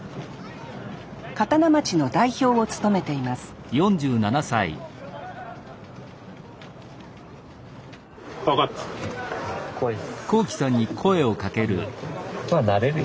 刀町の代表を務めています怖いです。